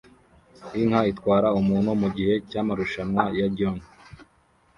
Inka itwara umuntu mugihe cyamarushanwa ya john